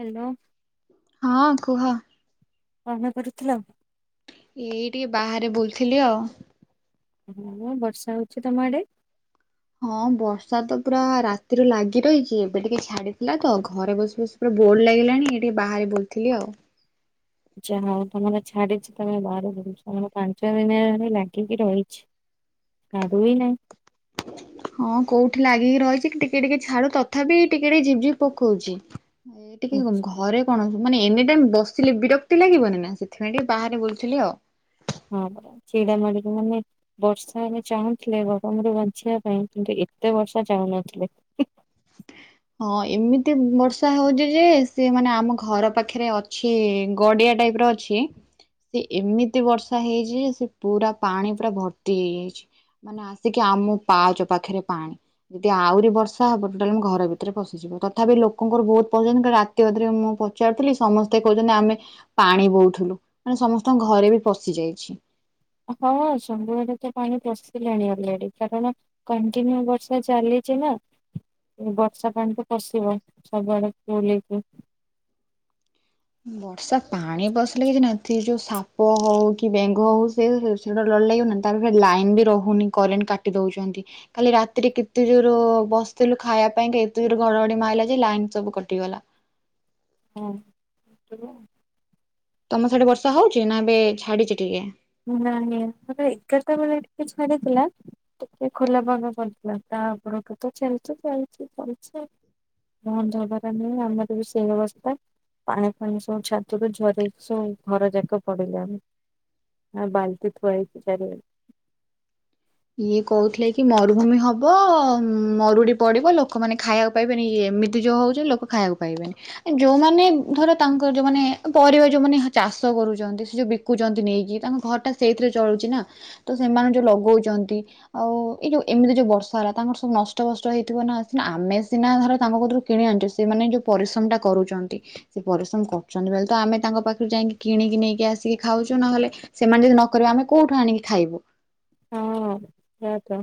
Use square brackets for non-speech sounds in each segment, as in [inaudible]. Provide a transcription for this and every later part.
Hello. ହଁ କୁହ। କଣ କରୁଥିଲ? ଏଇ ଟିକେ ବାହାରେ ବୁଲଥିଲି ଆଉ। ହ ବର୍ଷା ହଉଚି ତମ ଆଡେ? ହଁ ବର୍ଷା ତ ପୁରା ରାତିରୁ ଲାଗି ରହିଚି ଏବେ ଟିକେ ଛାଡିଥିଲା ତ ଘରେ ବସି ବସି ପୁରା ବୋର୍ ଲାଗିଲାଣି ଏ ଟିକେ ବାହାରେ ବୁଲଥିଲି ଆଉ। ଯାହା ହଉ ତମର ଛାଡିଚି ତମର ବାହାରେ ବୁଲୁଛ ତମର ପାଞ୍ଚ ଦିନ ହେ ଲାଗିକି ରହିଛି। ଛାଡ଼ୁ ହିଁ ନାଇଁ। ହଁ କୋଉଠି ଲାଗିକି ରହିଚି ଟିକେ ଟିକେ ଛାଡୁ ତଥାପି ଟିକେ ଟିକେ ଝିପ୍ ଝିପ୍ ପକଉଚି। ଏ ହଁ ଟିକେ କ ଘରେ କଣ ମାନେ ଏନି ଟାଇମ ବସିଲେ ବିରକ୍ତି ଲାଗିବନି ନା ସେଥିପାଇଁ ଟିକେ ବାହାରେ ବୁଲଥିଲି ଆଉ। ହଁ ପରା ଚିଡା ମାଡ଼ିବ ମାନେ ବର୍ଷା ଏବେ ଚାହୁଁଥିଲେ ଗରମରୁ ବଞ୍ଚିବା ପାଇଁ କିନ୍ତୁ ଏତେ ବର୍ଷା ଚାହୁଁନଥିଲେ। ହଁ ଏମିତି ବର୍ଷା ହଉଚି ଯେ ସିଏମାନେ ଆମ ଘର ପାଖରେ ଅଛି ଗଡିଆ ଟାଇପ ର ଅ ଛି ସେ ଏମିତି ବର୍ଷା ହେଇଚି ଯେ ସେ ପୁରା ପାଣି ପୁରା ଭର୍ତ୍ତି ହେଇଯାଇଚି। ମାନେ ଆସିକି ଆମ ପାଚ ପାଖରେ ପାଣି ଯଦି ଆହୁରି ବର୍ଷା ହବ ଟୋଟାଲ ମୁଁ ଘର ଭିତରେ ପଶି ତଥାପି ଲୋକଙ୍କର ବହୁତ [unintelligible] ରାତିଧରେ ମୁଁ ପଚାରୁଥିଲି ସମସ୍ତେ କହୁଚନ୍ତି ଆମେ ପାଣି ବୋଉଥିଲୁ ମାନେ ସମସ୍ତଙ୍କ ଘରେ ବି ପଶି ଯାଇଛି। ହଁ ସବୁଆଡେ ତ ପାଣି ପଶିଲାଣି ଅଲରେଡି କାରଣ କଣ୍ଟିନ୍ୟୁ ବର୍ଷା ଚାଲିଚି ନା। ବର୍ଷା ପାଣି ତ ପଷିବ ସବୁଆଡେ ଫୁଲହେଇକି। ବର୍ଷା ପାଣି ପସିଲେ କିଛି ନାହିଁ ଥି ଯୋଉ ସାପ ହଉ କି ବେଙ୍ଗ ହଉ ସେ ସେଇଟା ଡ଼ର ଲାଗିବନା ନାହିଁ। ତାପରେ ଲାଇନ୍ ବି ରହୁନି କରେଣ୍ଟ କାଟି ଦେଉଚନ୍ତି। କାଲି ରାତିରେ କେତେ ଯୋର ବସିଥିଲୁ ଖାଇବା ପାଇଁ ଏତେ ଯୋ ଘଡଘଡି ମାରିଲା ଯେ ଲାଇନ ସବୁ କଟିଗଲା। ହଁ [unintelligible] ତମ ସିଆଡେ ବର୍ଷା ହଉଚି ନା ଏବେ ଛାଡିଚି ଟିକେ? ନାଇଁ ମର ଏଗାରଟା ବେଳେ ଟିକେ ଛାଡ଼ିଥିଲା ଟିକେ ଖୋଲାପାଗ କରିଥିଲା ତା ପରଠୁ ତ ଚାଲଚି ଚାଲିଚି ଚାଲଚି ବନ୍ଦ ହବାର ନୁହଁ ଆମର ବି ସେଇ ଅବସ୍ଥା। ପାଣି ଫାଣି ସବୁ ଛାତରୁ ଝରେଇ ସବୁ ଘର ଯାକ ପଡିଲାଣି। ହଁ ବାଲଟି ଥୁଆ ହୋଇଚି ଚାରିଆଡ଼େ। ଇଏ କହୁଥିଲେ କି ମରୁଭୂମି ହବ ମରୁଡି ପଡିବ ଲୋକମାନେ ଖାଇବାକୁ ପାଇବେନି। ଏମିତି ଯୋଉ ହଉଚି ଲୋକ ଖାଇବାକୁ ପାଇବେନି। ଯୋଉମାନେ ଧର ତାଙ୍କର ଯୋଉମାନେ ପରିବା ଯୋଉମାନେ ଚାଷ କରୁଚନ୍ତି ସେ ଯୋଉ ବି କୁଚନ୍ତି ନେଇକି ତାଙ୍କ ଘର ଟା ସେଇଥିରେ ଚଳୁଚିନା। ତ ସେମାନେ ଯୋଉ ଲଗଉଚନ୍ତି ଆଉ ଏଇ ଯୋଉ ଏମିତି ଯୋଉ ବର୍ଷା ହେଲା ତାଙ୍କର ସବୁ ନଷ୍ଟବଷ୍ଟ ହେଇଥିବ ନା। ସିନା ଆମେ ସିନା ଧର ତାଙ୍କ କତୁରୁ କିଣି ଆଣୁଚେ ସେଇମାନେ ଯେଉଁ ପରିଶ୍ରମ ଟା କରୁଚନ୍ତି ସେ ପରିଶ୍ରମ କରୁଚନ୍ତି ବୋଲି ତ ଆମେ ତାଙ୍କ ପାଖରୁ ଯାଇକି କିଣିକି ନେଇକି ଆସିକି ଖାଉଚୁ ନହେଲେ ସେମାନେ ଯଦି ନ କରିବେ ଆମେ କୋଉଠୁ ଆଣିକି ଖାଇବୁ। ହଁ ସେଆ ତ।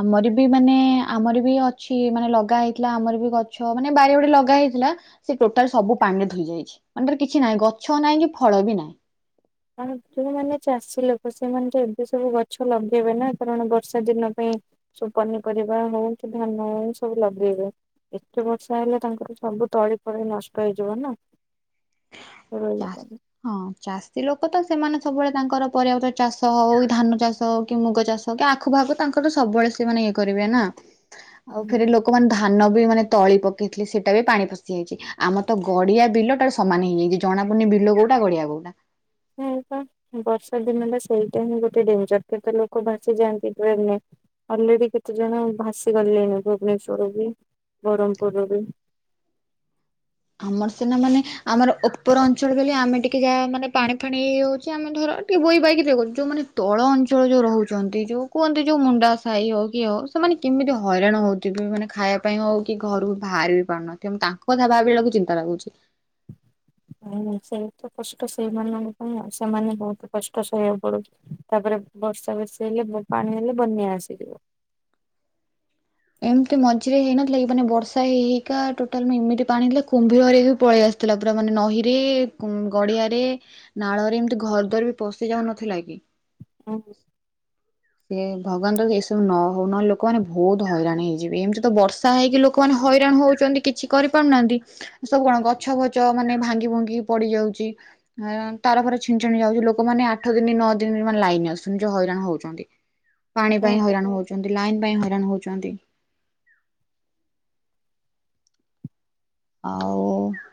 ଆମର ବି ମାନେ ଆମର ବି ଅଛି ମାନେ ଲଗା ହେଇଥିଲା ଆମର ବି ଗଛ ମାନେ ବାରିରେ ଗଟେ ଲଗା ହେଇଥିଲା ସେ ଟୋଟାଲ ସବୁ ପାଣି ରେ ଧୋଇ ଯାଇଛି ମାନେ କିଛି ନାହିଁ ଗଛ ନାହିଁ କି ଫଳ ବି ନାହିଁ। ହ ଯୋଉମାନେ ଚାଷୀ ଲୋକ ସେମାନେ ତ ଏବେ ସବୁ ଗଛ ଲଗେଇବେ ନା କାରଣ ବର୍ଷା ଦିନ ପାଇଁ। ସବୁ ପନିପରିବା ହଉ କି ଧାନ ହଉ ସବୁ ଲଗେଇବେ। ଏତେ ବର୍ଷା ହେଲେ ତାଙ୍କର ସବୁ ତଳି ଫଳି ନଷ୍ଟ ହେଇଯିବ ନା। ଚାଷ [inaudible] ହଁ ଚାଷୀ ଲୋକ ତ ସେମାନେ ସବୁବେଳେ ତାଙ୍କର ପରିର୍ୟା ପତର ଚାଷ ହଉ ଧାନ ଚାଷ ହଉ କି ମୁଗ ଚାଷ। ଆଖୁ ପାଖୁ ତାଙ୍କର ତ ସବୁବେଳେ ସେମାନେ ଇଏ କରିବେ ନା ଆଉ ଫେରେ ଲୋକ। ଲୋକ ମାନେ ଧାନ ବି ମାନେ ତଳି ପକେଇଥିଲେ, ସେଇଟା ବି ପାଣି ପଶିଯାଇଛି। ଆମର ତ ଗଡିଆ ବିଲଟା। ସମାନେ ହେଇଯାଇଛି, ଜଣାପଡୁନି ବିଲ କୋଉଟା ଗଳିଆ କୋଉଟା। ଏ ପା ବର୍ଷା ଦିନ ହେଲା ସେଇଟା ହିଁ ଗୋଟେ ଡେଞ୍ଜର କେତେ ଲୋକ ଭାସିଯାଆନ୍ତି ଟ୍ରେନରେ। ଅଲରେଡି କେତେ ଜଣ ଭାସି ଗଲେଣି ଭୁବନେଶ୍ଵରରୁ ବି ବରମ୍ପୁରୁ ରୁ ବି। ଆମର ସିନା ମାନେ ଆମର ଉପର ଅଞ୍ଚଳ ବୋଲି, ଆମେ ଟିକେ ଯାହା ମାନେ ପାଣି-ଫାଣି ଇଏହେ ଉଛି ଆମେ ଧର। ବହି ବାହି ଯୋଉ ମାନେ ତଳ ଅଞ୍ଚଳ ଯୋଉ ରହୁଛନ୍ତି, ଯୋଉ କୁହନ୍ତି ଯୋଉ ମୁଣ୍ଡା ସାହି ହଉ କି ଇଏ ହଉ। ସେମାନେ କେମିତି ହଇରାଣ ହଉଥିବ ମାନେ ଖାଇବା ପାଇଁ, ହଉ କି ଘରକୁ ବାହାରିବି ପାରୁନଥିବେ, ତାଙ୍କ କଥା ଭାବିଲା ବେଳକୁ ଚିନ୍ତା ଲାଗୁଛି। ହଁ! ସେଇ ତ କଷ୍ଟ, ସେଇମାନଙ୍କ ପାଇଁ ଆଉ ସେମାନେ ବହୁତ କଷ୍ଟ ସହିବାକୁ ପଡୁଚି। ତାପରେ ବର୍ଷା ବେଶୀ ହେଲେ ପାଣି ହେଲେ ବନ୍ୟା ଆସିଯିବ। ଏମିତି ମଝିରେ ହେଇନଥିଲା କି ମାନେ ବର୍ଷା ହେଇ ହେଇକା ଟୋଟାଲ ଏମିତି ପାଣି ହେଲା କୁମ୍ଭୀର ହେରିକା ସବୁ ପଳିଆସି ଥିଲା ପୁରା ମାନେ ନହି ରେ ଗଡିଆରେ। ନାଳରେ ଏମିତି ଘର ଦର ବି ପଶି ଯାଉନଥିଲା କି? ହୁଁ ହୁଁ। ସେ ଭଗବାନ ଦୟାରୁ ଏସବୁ ନ ହଉ ନହେଲେ ଲୋକ ମାନେ ବହୁତ ହଇରାଣ ହେଇଯିବେ, ଏମିତି ତ ବର୍ଷା ହେଇକି ଲୋକ୍ ଲୋକମାନେ ହଇରାଣ ହଉଛନ୍ତି କିଛି କରିପାରୁନାହାନ୍ତି। ସବୁ କଣ ଗଛ-ଫଛ ମାନେ ଭାଙ୍ଗି-ଭୁଙ୍ଗି ପଡି ଯାଉଛି। ତାର-ଫାର ଛିଣ୍ଡିଞ୍ଚାଣ୍ଡି ଯାଉଛି ଲୋକମାନେ ଆଠ ଦିନ, ନଅ ଦିନ ଜମାରୁ ଲାଇନ ଆସୁନି ଯୋଉ ହଇରାଣ ହଉଛନ୍ତି। ପାଣି ପାଇଁ ହଁ ହଇରାଣ ହଉଛନ୍ତି, ଲାଇନ୍ ପାଇଁ ହଇରାଣ ହଉଛନ୍ତି। ଆଉ।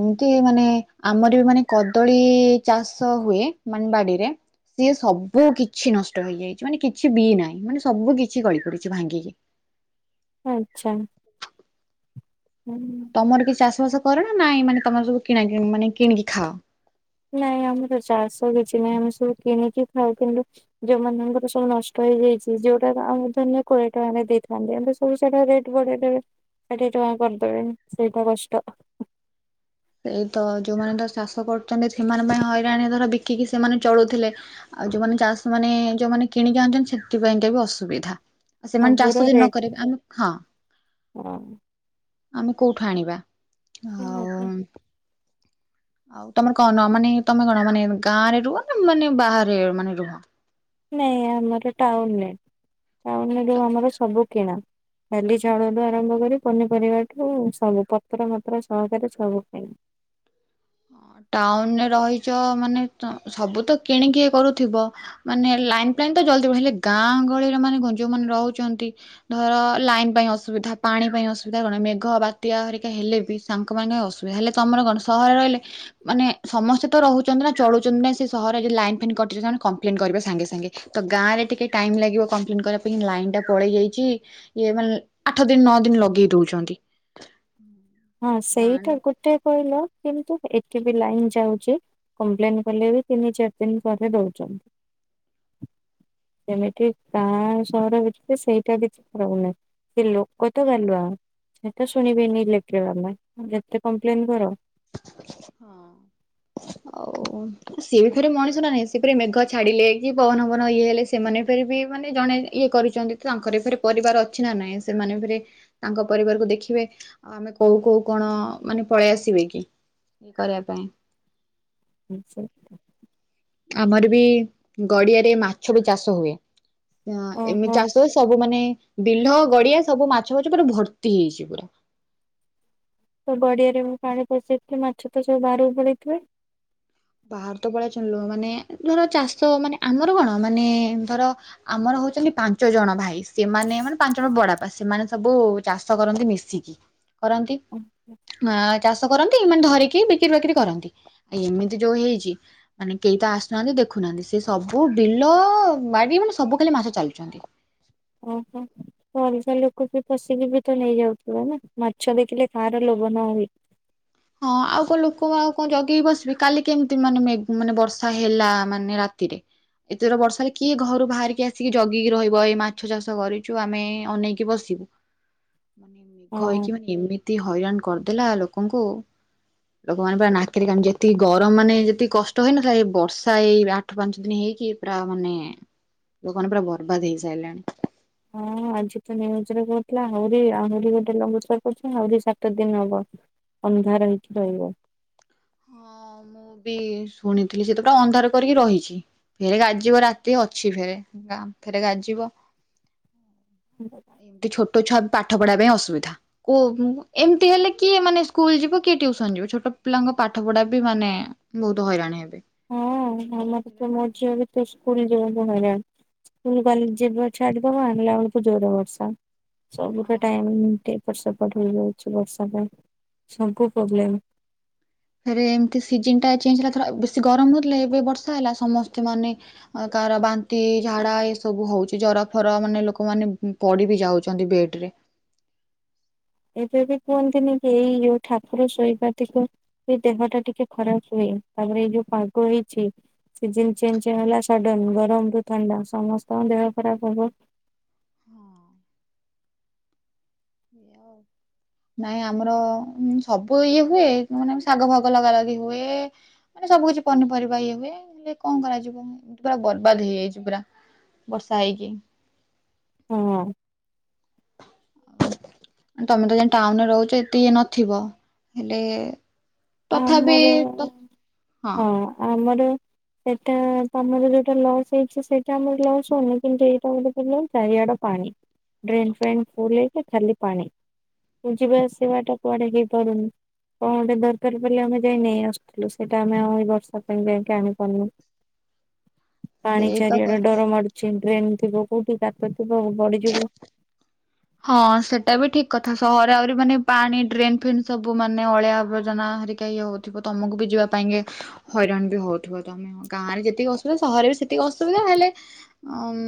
ଏମିତି ମାନେ ଆମର ବି ମାନେ କଦଳୀ ଚାଷ ହୁଏ ମାନେ ବାଡିରେ। ସିଏ ସବୁ କିଛି ନଷ୍ଟ ହେଇଯାଇଛି, ମାନେ କିଛି ବି ନାହିଁ ମାନେ ସବୁ କିଛି ଗଳି ପଡିଛି ଭାଙ୍ଗିକି। ଆଚ୍ଛା! ହୁଁ! ତମର କିଛି ଚାଷ-ବାସ କରନା, ନାଇଁ ମାନେ ତମର ସବୁ କିଣା-କିଣି ମାନେ କିଣିକି ଖାଅ? ନାଇଁ ଆମର ଚାଷ କିଛି ନାହିଁ, ଆମେ ସବୁ କିଣିକି ଖାଉଥୁଲୁ। ଯୋଉମାନଙ୍କ ର ସବୁ ନଷ୍ଟ ହେଇଯାଇଛି, ଯୋଉଟା ଆମ ଧରିନି କୋଡିଏ ଟଙ୍କାରେ ଦେଇଥାନ୍ତେ। ପେଇସାଗ ରେଟ ବଢେଇଦେବ, ଷାଠିଏ ଟଙ୍କା କରିଦେବେ ସେଇଟା କଷ୍ଟ। ଏଇ ତ ଯୋଉମାନେ ତ ଚାଷ କରୁଚନ୍ତି, ସେମାନେଙ୍କ ପାଇଁ ହଇରାଣ ଧର ବିକି କି ସେମାନେ ଚଳୁଥିଲେ। ଆଉ, ଯୋଉମାନେ ଚାଷ ମାନେ ଯୋଉମାନେ କିଣିକି ଆଣୁଛନ୍ତି, ସେଥିପାଇଁକା ବି ଅସୁବିଧା। ସେମାନେ ସବୁର ଚାଷ ନ ରେଟ୍ କରିବେ ଆମେ, ହଁ! ହଁ। ଆମେ କୋଉଠୁ ସେୟା ଆଣିବାଆଉ। ତ। ତମର କଣ ନ ମାନେ ତମେ କଣ ମାନେ ଗାଁ ରେ ରୁହ ନା ମାନେ ବାହାରେ ମାନେ ନାଇଁ ଆମର ଟାଉନରେ, ଟାଉନରେ ଯୋଉ ଆମର ସବୁ କିଣା। ଡାଲି, ଚାଉଳଠୁ ଆରମ୍ଭ କରି ପନିପରିବାଠୁ ସବୁ ପତ୍ର-ମତ୍ର ସହକାରେ ସବୁ କିଣୁ। ଟାଉନରେ ରହିଚ ମାନେ ସବୁ ତ କିଣିକି କରୁଥିବ। ମାନେ ଲାଇନ୍-ଫାଇନ୍ ତ ଜଳୁଥିବ ହେଲେ ଗାଁ ଗହଳିରେ ମାନେ ଯୋଉମାନେ ରହୁଛନ୍ତି? ଧର ଲାଇନ ପାଇଁ ଅସୁବିଧା, ପାଣି ପାଇଁ ଅସୁବିଧା, କଣ ମେଘ ବାତ୍ୟାହରିକା ହେଲେ ବି ତାଙ୍କ ପାଇଁ ଅସୁବିଧା ହେଲେ, ତମର କଣ ସହରେ ରହିଲେ ମାନେ ସମସ୍ତେ ତ ରହୁଛନ୍ତି ନା ଚଳୁଛନ୍ତି ନା ସେ ସହରରେ ଯେ ଲାଇନ ଫେଇନ୍ କଟିଲେ ନା ସେମାନେ କମ୍ପ୍ଲେନ କରିବେ ସାଙ୍ଗେ ସାଙ୍ଗେ। ତ ଗାଁରେ ଟିକେ ଟାଇମ୍ ଲାଗିବ କମ୍ପ୍ଲେନ୍ଟ କରିବା ପାଇଁ ଲାଇନ୍ ଟା ପଳେଇ ଯାଇଛି। ଇଏ ମାନେ ଆଠ ଦିନ, ନଅ ଦିନ ଲଗେଇ ଦଉଛନ୍ତି। ହଁ ଗାଁ ସେଇଟା ଗୋଟେ କହିଲ, କିନ୍ତୁ ଏଠି ବି ଲାଇନ ଯାଉଛି। କମ୍ପ୍ଲେନ କଲେ ବି ତିନି, ଚାରି ଦିନ ପରେ ଦଉଛନ୍ତି। ଯେମିତି ଗାଁ, ସହର ଭିତରେ ସେଇଟା ବି ଖରାପ ନାହିଁ। ସେ ଲୋକ ତ ଗାଲୁଆ, ସେଟ ଶୁଣିବେନି ଇଲେକ୍ଟ୍ର ବାଲା ଯେତେ କମ୍ପ୍ଲେନ କର। [inaudible] ଆଉ? ସେଏ ବି ଫେରେ ମଣିଷ ନା ନାହିଁ, ସେପୁଣି ମେଘ ଛାଡ଼ିଲେ, କି ପବନ ଫବନ ଇଏ ହେଲେ, ସେମାନେ ଫେରେ ବି ମାନେ ଜଣେ ଇଏ କରିଛନ୍ତି ତାଙ୍କର ଏ ଫରେ ପରିବାର ଅଛି ନା ନାଇଁ ସେମାନେ ଫରେ ତାଙ୍କ ପରିବାରକୁ ଦେଖିବେ। ଆଉ ଆମେ କୋଉ କୋଉ କଣ ମାନେ ପଳେଇ ଆସିବେ କି, ଇଏ କରିବା ପାଇଁ। ସେ ଆମର ବି ଗଡିଆରେ ମାଛ ବି ଚାଷ ହୁଏ ଏମିତି ଓହୋ ଚାଷ ସବୁ ମାନେ ବିଲ ଗଡିଆ ସବୁ ମାଛ ମାଛ ପୁରା ଭର୍ତ୍ତି ହେଇଛି ପୁରା। ତ ବଡିଆରେ ମୁଁ ପାଣି ପଶେଇଥିଲି ମାଛ ତ ସବୁ ବାହାରକୁ ପଡିଇଥିବେ। ବାରତ ପଳାଚିଲୁ ମାନେ ଧର ଚାଷ ମାନେ ଆମର କଣ ମାନେ ଧର ଆମର ହଉଛନ୍ତି ପାଞ୍ଚ ଜଣ ଭାଇ। ସେମାନେ ମାନେ ପାଞ୍ଚଜଣ ବଡବାପା ସେମାନେ ସବୁ ଚାଷ କରନ୍ତି ମିଶିକି। କରନ୍ତି ଆ ଚାଷ କରନ୍ତି ଏମାନେ ଧରିକି ବିକ୍ରି ବାକିରିି କରନ୍ତି, ଆ ଏମିତି ଯୋଉ ହେଇଛି। ମାନେ କେହି ତ ଆସୁନାହାନ୍ତି ଦେଖୁନାହାନ୍ତି ସେ ସବୁ ବିଲ ବାଡ଼ି ମାନେ ସବୁ ଖାଲି ମାସ ଚାଲୁଛନ୍ତି। ଓହୋ। ତ ଅଲଗା ଲୋକ ବି ପଶିକି ବି ତ ନେଇଯାଉଥିଲା ନା ମାଛ ଦେଖିଲେ କାହାର ଲୋଭ ନ ହୁଏ। ହଁ ଆଉ କଣ ଲୋକ ଆଉ କଣ ଜଗେଇକି ବସିବି, କାଲି କେମିତି ମାନେ ମାନେ ବର୍ଷା ହେଲା ମାନେ ରାତିରେ ଏତେଥର ବର୍ଷାାରେ କିଏ ଘରୁ ବାହାରିକି ଆସିକି ଜଗିକି ରହିବ ଏଇ ମାଛ ଚାଷ କରିଛୁ ଆମେ ଅନେଇକି ବସିବୁ। ମାନେ ନିଘ ହଁ। ହେଇକି ମାନେ ଏମିତି ହଇରାଣ କରିଦେଲା ଲୋକଙ୍କୁ। ଲୋକମାନେ ପୁରା ନାକରି କାଣ ଯେତିକି ଗରମ ମାନେ ଯେତିକି କଷ୍ଟ ହଇନ ସେ ବର୍ଷା ଏଇ ଆଠ ପାଞ୍ଚ ଦିନ ହେଇକି ପୁରା ମାନେ ଲୋକାନ ପୁରା ବର୍ବାଦ ହେଇସାରିଲେଣି। ହଁ। ଆଜି ତ ନିୟୁଜ୍ କୋହୁଥିଲା ଆହୁରି ଆହୁରି ଗୋଟେ ଲମ୍ବୁଚ କରୁ ଆହୁରି ସାତ ଦିନ ହବ। ଅନ୍ଧାର ହେଇକି ରହିବ। ହଁ ମୁଁ ବି ଶୁଣିଥିଲି ସେତ ପଟା ଅନ୍ଧାର କରିକି ରହିଛି। ଫେରେ ଗାଯିବ ରାତି ଅଛି ଫେରେ ଫେରେ ଗାଯିବ [inaudible] ଛୋ ଛୁଆ ପାଠ ପଢା ପାଇଁ ଅସୁବିଧା। କ ଏମତି ହେଲେ କିଏ ମାନେ ସ୍କୁଲ ଯିବ କିଏ ଟୁସନ ଯିବ ଛୋଟ ପିଲାଙ୍କ ପାଠ ପଢା ବି ମାନେ ବହୁତ ହଇରାଣ ହେବେ। ହଁ ହଁ ଆମର ତ ମୋ ଝିଅ ବି ତ ସ୍କୁଲ ଯିବହରା। ସ୍କୁଲ କଲେଜ ଯିବ ଛାଡିଦବା ଆଣିଲା ବେଳକୁ ଜୋର ବର୍ଷା ସବୁଠ ଟାଇ ପଟ ସେପଟ ହେଇଯାଉଛି ବର୍ଷା ପାଇଁ ସବୁ ପ୍ରୋବ୍ଲେମ। ଆରେ ଏମିତି ସିଜନଟା ଚେଞ୍ଜ ହେଲାଥର ବେଶୀ ଗରମ୍ ହଉଥିଲେ ଏବେ ବର୍ଷା ହେଲା ସମସ୍ତେ ମାନେ ଆଁ କାହାର ବାନ୍ତି ହେଇ ଝାଡ଼ା ହେଇ ଏସବୁ ହଉଚି ଜର ଫର ମାନେ ଲୋକମାନେ ପଡ଼ିବି ଯାଉଚନ୍ତି ବେଡ଼େରେ। ଏବେବି କୁହନ୍ତିନିକି ଏଇ ଯଉ ଠାକୁର ଶୋଇବାତିକୁ ସେ ଦେହଟା ଟିକେ ଖରାପ୍ ହୁଏ ତାପରେ ଏଇ ଯୋଉ ପାଗ ହେଇଚି ସିଜନ୍ ଚେଞ୍ଜ ହେଲା ସଡନ୍ ଗରମରୁ ଥଣ୍ଡା ସମସ୍ତଙ୍କ ଦେହ ଖରାପ୍ ହବ। ହଁ ଏୟାଓ ନାଇଁ ଆମର ସବୁ ଇଏ ହୁଏ ମାନେ ଶାଗ ଫାଗ ଲଗା ଲଗି ହୁଏ। ମାନେ ସବୁ କିିଛି ପନିପରିବା ଇଏ ହୁଏ ହେଲେ କଣ କରାଯିବ ଏପୁରା ବର୍ବାଦ ହେଇଯାଇଚି ପୁରା ବର୍ଷା ହେଇକି। ହଁ। ତମେତ ଯାଇଁ ଟାଉନରେ ରହୁଚ ଏତେ ଇଏ ନଥିବ ହେଲେ ତଥାପି ଆମର ତ ହଁ ଆମର ସେଇଟା ତମର ଯୋଉଟା ଲସ୍ ହେଇଚି ସେଟା ଆମର ଲସ୍ ହୋଉନି କିନ୍ତୁ ଏଇଟା ଗୋଟେ ପ୍ରୋବ୍ଲେମ୍ ଚାରିଆଡ଼େ ପାଣି ଡ୍ରେନ୍ ଫେନ୍ ଫୁଲ ହେଇକି ଖାଲି ପାଣି। ଯିବା ଆସିବାଟା କୁଆଡ଼େ ହେଇପାରୁନି କଣ ଗୋଟେ ଦର୍ କାର୍ ପଇଲେ ଆମେ ଯାଇ ନେଇ ଆସୁଥିଲୁ ସେଇଟା ଆମେ ଆଉ ଏଇ ବର୍ଷା ପାଇଁ ଯାଇକି ଆଣିପାରୁନୁ। [inaudible] ପାଣି ସେଇ ତ ଚାରିଆଡ଼େ କଥା। ଡର ମାରୁୁଚି ଡ୍ରେନ୍ ଥିବ କୋଉଠି ଗାତ ଥିବ ବୁଡ଼ିଯିବୁ ହଁ ସେଟାବି ଠିକ୍ କଥା ସହର ଆହୁରି ମାନେ ପାଣି ଡ୍ରେନ୍ ଫ୍ରେନ୍ ସବୁ ମାନେ ଅଳିଆ ଆବର୍ଜନା ହେରିକା ଇଏ ହଉ ଥିବ ତମକୁବି ଯିବା ପାଇଁକି ହଇରାଣବି ହଉଥିବ ତମେ। ହଁ ଗାଁରେ ଯେତିକି ଅସୁବିଧା ସହରରେବି ସେତିକି ଅସୁବିଧା ହେଲେ ଅଁମ୍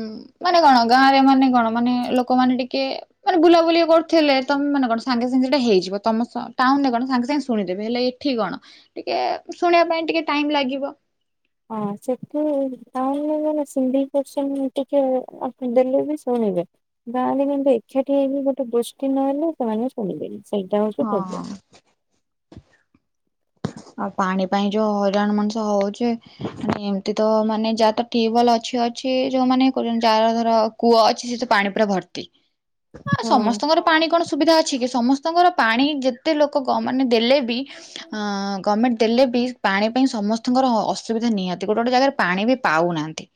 ମାନେ କଣ ଗାଁରେ ମାନେ କଣ ମାନେ ଲୋକମାନେ ଟିକେ ମାନେ ବୁଲାବୁଲି କରୁଥିଲେ ତମେ ମାନେ କଣ ସାଙ୍ଗେ ସାଙ୍ଗେ ସେଇଟା ହେଇଯିବ ତମସ ଟାଉନୁରେ କଣ ସାଙ୍ଗେ ସାଙ୍ଗେ ଶୁଣିଦେବେ ହେଲେ ଏଠି କଣ ଟିକେ ଶୁଣିବା ପାଇଁ ଟିକେ ଟାଇମ୍ ଲାଗିବ। ହଁ ସେଠ ଟାଉନୁରେ କଣ ସିମ୍ବିକିସନ୍ ଟିକେ ଆଫି ଦେଲେବି ଶୁଣିବେ ଗାଁରେ କିନ୍ତୁ ଏକାଠି ହେଇ ଗୋଟେଗୋଷ୍ଟି ନହଲେ ସେମାନେ ଶୁଣିବେନି ସେଇଟା ହଉଚି ପ୍ରୋବ୍ଲେମ୍। ହଁ। ଆଉ ପାଣି ପାଇଁ ଯୋଉ ହଇରାଣ ମଣିଷ ହଉଚି ମାନେ ଏମତିତ ମାନେ ଯାହାତ ଟ୍ୟୁବୱାଲ୍ ଅଛି ଅଛି ଯୋଉମାନେ କରୁଚନ୍ତି ଯାହାର ଧର କୂଅ ଅଛି ସେତ ପାଣି ପୁରା ଭର୍ତ୍ତି [inaudible] ହଁ ସମସ୍ତଙ୍କର ପାଣି କଣ ସୁବିଧା ଅଛିକି ସମସ୍ତଙ୍କର ପାଣି ଯେତେ ଲୋକ କଁ ମାନେ ଦେଲେବି ଅଁ ଗଭର୍ଣ୍ଣମେଣ୍ଟ ଦେଲେବି ପାଣି ପାଇଁ ସମସ୍ତଙ୍କର ଅସୁବିଧା ନିହାନ୍ତି ଗୋଟେ ଗୋଟେ ଜାଗାରେ ପାଣିବି ପାଉନାହାନ୍ତି।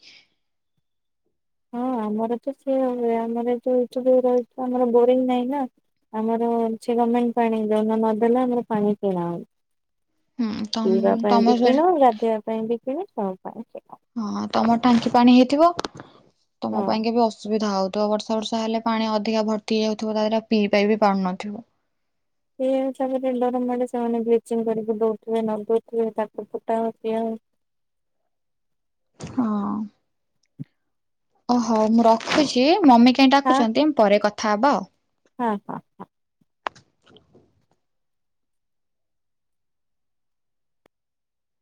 ହଁ ଆମରତ ସେଇଆ ହୁଏ ଆମର ଯୋଉଥିକ ରହିଥିବ ଆମର ବୋରିଂ ନାହିଁନା ଆମରଅଛି ଗମେଣ୍ଟ ପାଣି ଯୋଉଦିନ ନଦେଲା ଆମର ପାଣି କିଣା ହଉ ହୁଁ ତମ୍ ପିଇବା ତମ ପାଇଁବି ସେ କିଣୁ ଗାଧେଇବା ପାଇଁବି କିଣୁ ସବୁ ପାଇଁ କିଣା। ହଁ ତମର ଟାଙ୍କି ପାଣି ହେଇଥିବ ହଁ ତମ ପାଇଁ କେବେ ଅସୁବିଧା ହଉ ତ ବର୍ଷା ବର୍ଷା ହେଲେ ପାଣି ଅଧିକା ଭର୍ତ୍ତି ହେଇଯାଉଥିବ ତାହଲେ ପିଇ ପାରିବି ପାରୁନଥିବ। ସେଇ ହିସାବରେ ଡରମଡ଼େ ସେମାନେ ବ୍ଲିଚିଙ୍ଗ କରିକି ଦଉଥିବେ ନଦଉଥିବେ ତାକୁ ଫୁଟାଅ ପିଇଆ ହଁ। ଓ ହୋଉ ମୁଁ ରଖୁଛି ମମି କାଇଁ ଡାକୁଛନ୍ତି ପରେ କଥା ହବା ଆଉ। ହଁ ହଁ ହଁ।